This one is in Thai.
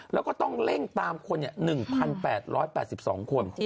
แล้วก็ต้องเร่งตามคน๑๘๘๒คน